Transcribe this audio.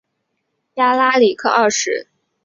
亚拉里克二世。